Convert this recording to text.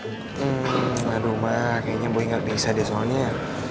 hmm aduh ma kayaknya boy gak bisa deh soalnya